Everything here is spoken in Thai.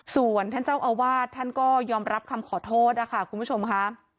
ส่วนท่านเจ้าอาวาสท่านก็ยอมรับคำขอโทษนะคะคุณผู้ชมค่ะ